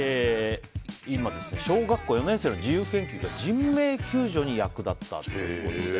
今、小学校４年生の自由研究が人命救助に役立ったということで。